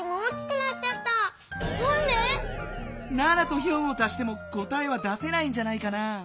７と４を足しても答えは出せないんじゃないかな。